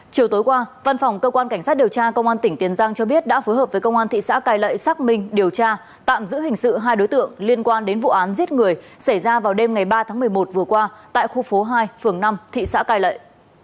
chiều tối qua văn phòng cơ quan cảnh sát điều tra công an tỉnh tiền giang cho biết đã phối hợp với công an thị xã cai lậy xác minh điều tra tạm giữ hình sự hai đối tượng liên quan đến vụ án giết người xảy ra vào đêm ngày ba tháng một mươi một vừa qua tại khu phố hai phường năm thị xã cai lệ